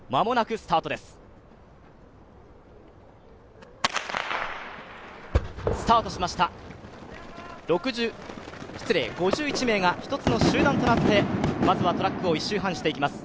スタートしました、５１名が１つの集団となってまずはトラックを１周半していきます。